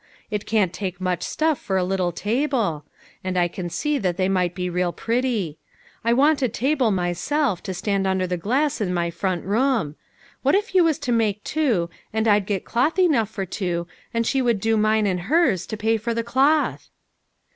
It can't take much stuff for a little table ; 118 LITTLE FISHEKS: AND THEIK NETS. and I can see that they might be real pretty. I want a table myself, to stand under the glass in my front room. What if you was to make two, and I'd get cloth enough for two, and she would do mine and hers, to pay for the cloth?"